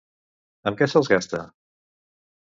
Amb què se'ls gasta?